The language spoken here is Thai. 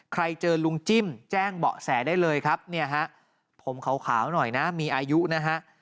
ใครเจอลุงจิ้มแจ้งเบาะแสได้เลยครับเนี่ยฮะผมขาวหน่อยนะมีอายุนะฮะ